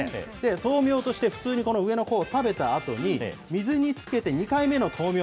豆苗として普通に上のほうを食べたあとに、水につけて２回目の豆